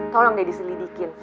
tolong deh diselidikin